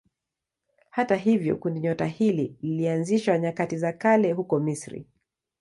Hata hivyo kundinyota hili lilianzishwa nyakati za kale huko Misri.